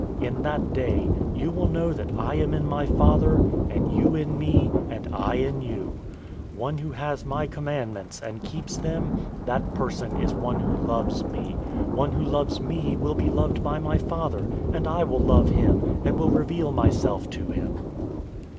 014:020 In that day you will know that I am in my Father, and you in me, and I in you. 014:021 One who has my commandments, and keeps them, that person is one who loves me. One who loves me will be loved by my Father, and I will love him, and will reveal myself to him."